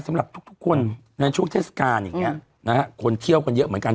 สำหรับทุกคนในช่วงเทศกาลอย่างเงี้ยนะฮะคนเที่ยวกันเยอะเหมือนกัน